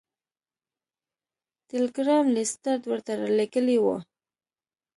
ټیلګرام لیسټرډ ورته رالیږلی و.